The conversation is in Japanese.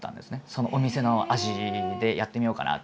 そのお店の味でやってみようかな。